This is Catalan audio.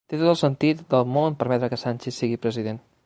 Té tot el sentit del món permetre que Sánchez sigui president